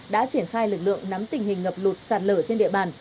đã triển khai lực lượng nắm tình hình ngập lụt sạt lở trên địa bàn